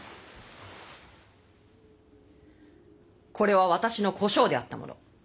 これは私の小姓であったもの。